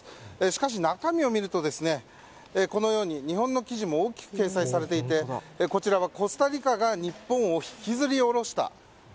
しかし、中身を見るとこのように日本の記事も大きく掲載されていてこちらはコスタリカが日本を引きずり降ろした。